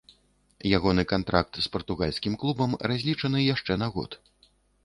Ягоны кантракт з партугальскім клубам разлічаны яшчэ на год.